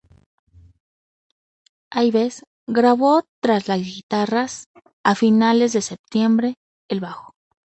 Yves, grabó, tras la guitarras, a finales de septiembre, el bajo.